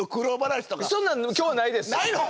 今日はないです。